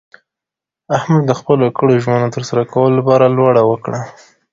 احمد د خپلو کړو ژمنو د ترسره کولو لپاره لوړه وکړله.